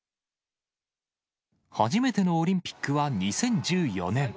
初めてのオリンピックは２０１４年。